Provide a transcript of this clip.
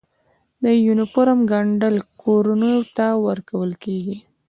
د یونیفورم ګنډل کورنیو ته ورکول کیږي؟